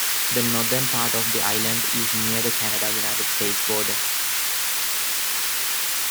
The northern part of the island is near the Canada-United States border.